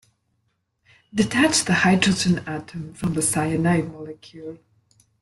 Detach the hydrogen atom from the cyanide molecule.